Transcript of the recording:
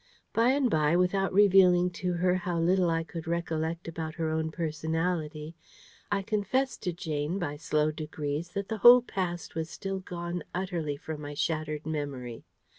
By and by, without revealing to her how little I could recollect about her own personality, I confessed to Jane, by slow degrees, that the whole past was still gone utterly from my shattered memory.